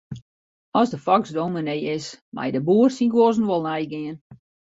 As de foks dominy is, mei de boer syn guozzen wol neigean.